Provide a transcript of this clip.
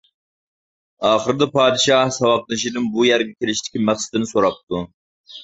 ئاخىرىدا پادىشاھ ساۋاقدىشىدىن بۇ يەرگە كېلىشتىكى مەقسىتىنى سوراپتۇ.